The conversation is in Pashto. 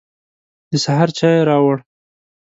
د سهار چای يې راوړ.